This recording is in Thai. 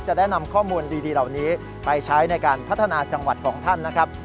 จะได้นำข้อมูลดีเหล่านี้ไปใช้ในการพัฒนาจังหวัดของท่านนะครับ